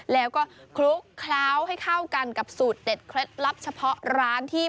แล้วก็คลุกเคล้าให้เข้ากันกับสูตรเด็ดเคล็ดลับเฉพาะร้านที่